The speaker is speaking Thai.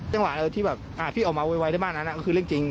เวลาที่แบบอ่าพี่ออกมาไวในบ้านนั้นอ่ะก็คือเรื่องจริง